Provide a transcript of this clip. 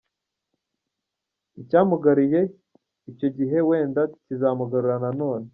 Icyamugaruye icyo gihe wenda kizamugarura nanone.